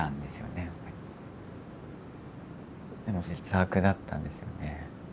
でも劣悪だったんですよね。